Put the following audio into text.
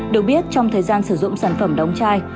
được biết trong thời gian sử dụng sản phẩm đóng chai